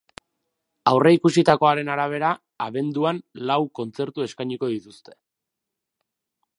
Aurreikusitakoaren arabera, abenduan lau kontzertu eskainiko dituzte.